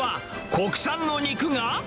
国産の肉が。